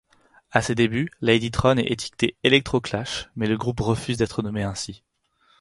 À ses débuts, Ladytron est étiqueté electroclash, mais le groupe refuse d'être nommé ainsi.